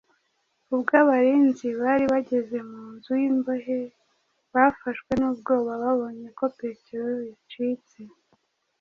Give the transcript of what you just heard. Ubwo abarinzi bari bageze mu nzu y’imbohe bafashwe n’ubwoba babonye ko Petero yacitse.